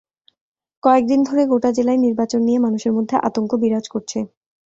কয়েক দিন ধরে গোটা জেলায় নির্বাচন নিয়ে মানুষের মধ্যে আতঙ্ক বিরাজ করছে।